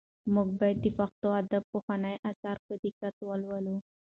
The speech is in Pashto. موږ باید د پښتو ادب پخواني اثار په دقت ولولو.